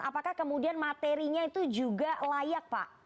apakah kemudian materinya itu juga layak pak